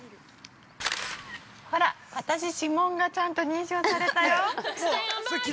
ほらっ、私、指紋がちゃんと認証されたよ